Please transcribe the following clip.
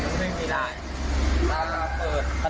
มันไม่มีอะไร